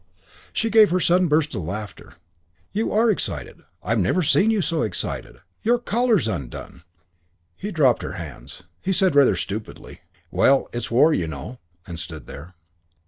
She gave her sudden burst of laughter. "You are excited. I've never seen you so excited. Your collar's undone." He dropped her hands. He said rather stupidly, "Well, it's war, you know," and stood there.